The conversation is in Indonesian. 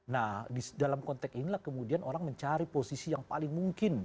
nah dalam konteks inilah kemudian orang mencari posisi yang paling mungkin